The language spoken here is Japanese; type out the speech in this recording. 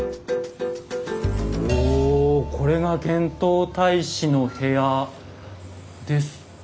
おおこれが遣唐大使の部屋ですか。